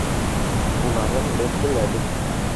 Уларын беҙ беләбеҙ